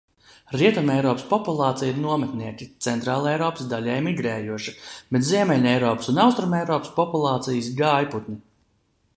Rietumeiropas populācija ir nometnieki, Centrāleiropas daļēji migrējoši, bet Ziemeļeiropas un Austrumeiropas populācijas gājputni.